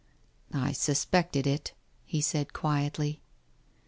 " "I suspected it," he said quietly.